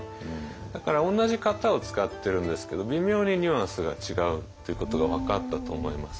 だから同じ型を使ってるんですけど微妙にニュアンスが違うっていうことが分かったと思います。